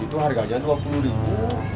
itu harganya rp dua puluh ribu